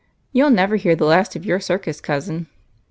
You '11 never hear the last of your circus, cousin."